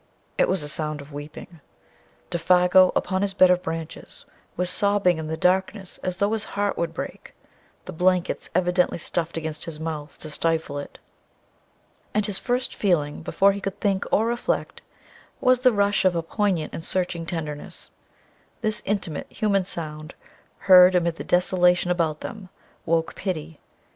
It was a sound of weeping; Défago upon his bed of branches was sobbing in the darkness as though his heart would break, the blankets evidently stuffed against his mouth to stifle it. And his first feeling, before he could think or reflect, was the rush of a poignant and searching tenderness. This intimate, human sound, heard amid the desolation about them, woke pity.